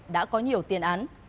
đã có nhiều tiền án